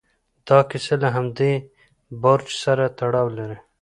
دا کیسه له همدې برج سره تړاو لري.